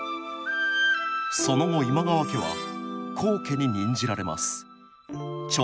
その後今川家は高家に任じられます。